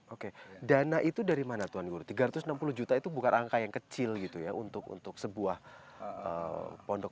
oke dana itu dari mana tuan guru tiga ratus enam puluh juta itu bukan angka yang kecil gitu ya untuk untuk sebuah pondok